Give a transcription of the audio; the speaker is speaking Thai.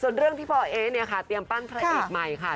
ส่วนเรื่องที่พอเอ๊เนี่ยค่ะเตรียมปั้นพระเอกใหม่ค่ะ